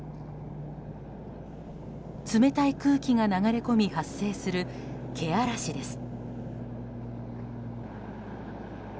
冷たい空気が流れ込み発生するけあらしです。